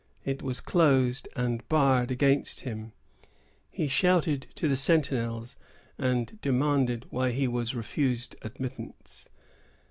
It was closed and barred against him. He shouted to the sentinels, and demanded why he was refused admittance.